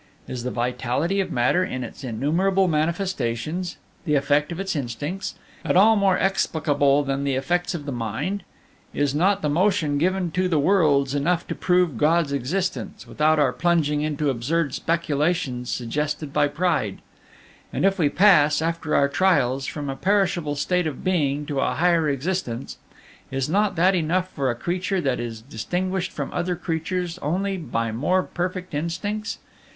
Is the vitality of matter in its innumerable manifestations the effect of its instincts at all more explicable than the effects of the mind? Is not the motion given to the worlds enough to prove God's existence, without our plunging into absurd speculations suggested by pride? And if we pass, after our trials, from a perishable state of being to a higher existence, is not that enough for a creature that is distinguished from other creatures only by more perfect instincts?